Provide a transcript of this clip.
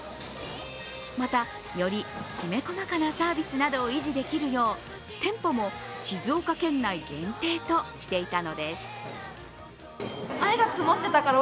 また、よりきめ細やかなサービスなどを維持できるよう店舗も静岡県内限定としていたのです。